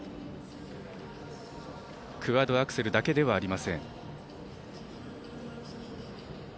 クワッドアクセルだけではありません。